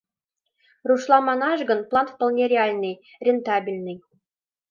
Рушла манаш гын, план вполне реальный, рентабельный.